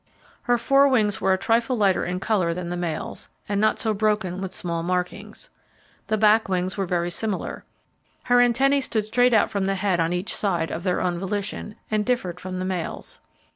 Her fore wings were a trifle lighter in colour than the male's, and not so broken with small markings. The back wings were very similar. Her antennae stood straight out from the head on each side, of their own volition and differed from the male's.